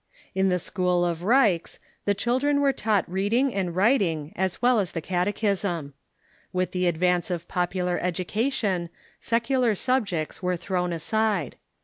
In the school of Raikes the children were taught reading and writing as avcII as the catechism. With the advance of popular education, secular subjects Avcre thrown ^ aside.